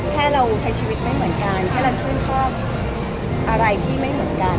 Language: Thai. แค่เราใช้ชีวิตไม่เหมือนกันแค่เราชื่นชอบอะไรที่ไม่เหมือนกัน